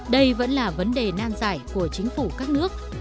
đây vẫn là vấn đề nan giải của chính phủ các nước